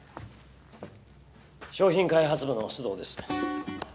商品開発部の須藤です。